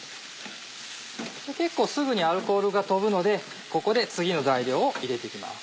結構すぐにアルコールが飛ぶのでここで次の材料を入れて行きます。